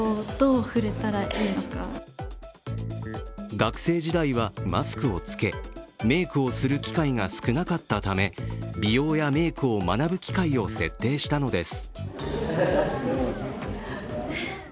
学生時代はマスクを着けメイクをする機会が少なかったため美容やメイクを学ぶ機会を設定したのです。